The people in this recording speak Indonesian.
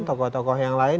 tokoh tokoh yang lain